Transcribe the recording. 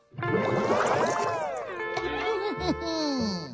フフフフフ。